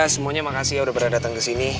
semuanya makasih ya udah pernah datang kesini